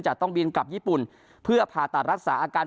จะต้องบินกลับญี่ปุ่นเพื่อผ่าตัดรักษาอาการ